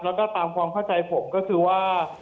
แล้วก็ตามความเข้าใจผมก็คือว่า